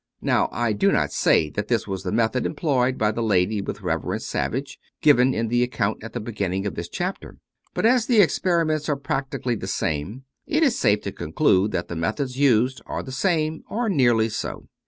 Now, I do not say that this was the method employed by the lady with Rev. Savage, given in the account at the beginning of this chapter. But as the experiments are practically the same, it is safe to conclude that the methods used are the same, or nearly so.